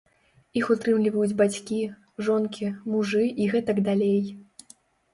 Іх утрымліваюць бацькі, жонкі, мужы і гэтак далей.